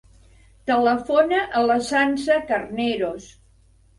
Telefona a la Sança Carneros.